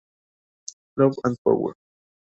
Love and Power.